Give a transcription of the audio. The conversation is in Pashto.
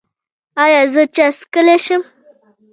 ایا زه چای څښلی شم؟